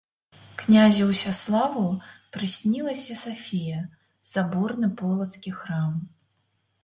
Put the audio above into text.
Князю Усяславу прыснілася Сафія, саборны полацкі храм.